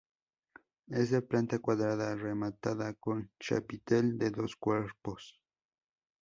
Es de planta cuadrada rematada con chapitel de dos cuerpos.